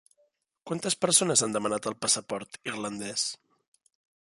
Quantes persones han demanat el passaport irlandès?